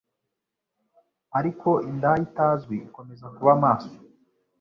Ariko indaya itazwi ikomeza kuba maso